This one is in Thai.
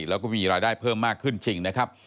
แล้วก็มีรายได้เพิ่มมากขึ้นจริงนะครับ